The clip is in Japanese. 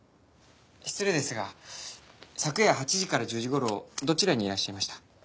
失礼ですが昨夜８時から１０時頃どちらにいらっしゃいました？